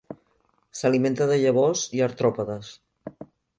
S'alimenta de llavors i artròpodes.